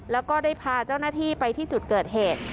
แล้วก็ได้พาเจ้าหน้าที่ไปที่จุดเกิดเหตุ